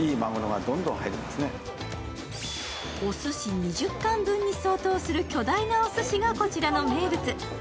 おすし２０貫分に相当する巨大なおすしがこちらの名物。